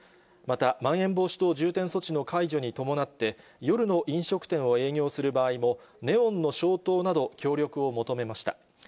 また、まん延防止等重点措置の解除に伴って、夜の飲食店を営業する場合も、ネオンの消灯など、協力を求めました。